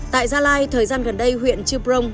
tại gia lai thời gian gần đây huyện chư prong